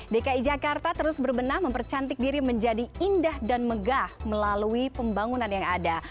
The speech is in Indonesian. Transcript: dki jakarta terus berbenah mempercantik diri menjadi indah dan megah melalui pembangunan yang ada